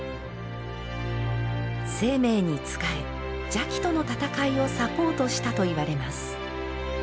晴明につかえ、邪鬼との戦いをサポートしたといわれます。